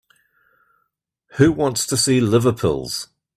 Who wants to see liver pills?